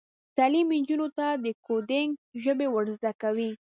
تعلیم نجونو ته د کوډینګ ژبې ور زده کوي.